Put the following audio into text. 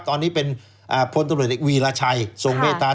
ตอนนี้เป็นพลตำรวจเอกวีรชัยทรงเมตตา